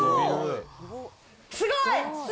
すごい。